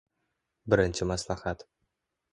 Birinchi maslahat.